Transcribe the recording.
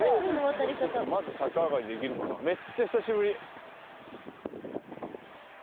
まず逆上がりできるかなめっちゃ久しぶり。